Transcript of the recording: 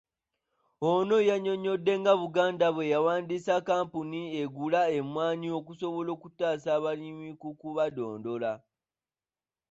Ono yannyonnyodde nga Buganda bwe yawandiisa kkampuni egula emmwanyi okusobola okutaasa abalimi ku ku kubadondola.